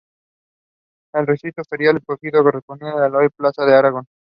El recinto ferial escogido corresponde a lo que hoy es la Plaza de Aragón.